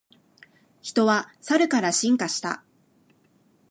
人はサルから進化した